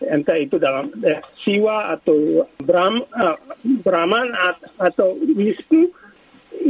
entah itu dalam siwa atau brahman atau wisnu